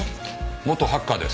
元ハッカーです。